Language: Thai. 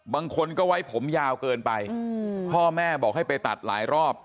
บางคนก็ไว้ผมยาวเกินไปพ่อแม่บอกให้ไปตัดหลายรอบ